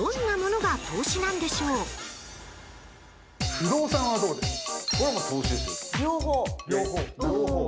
不動産はどうでしょうか？